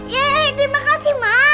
yeay terima kasih ma